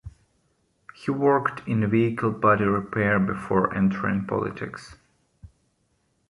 He worked in vehicle body repair before entering politics.